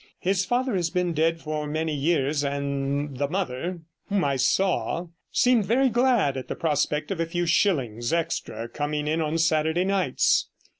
His father has been dead for many years, and the mother, whom I saw, seemed very glad at the prospect of a few shillings extra coming in on Saturday nights.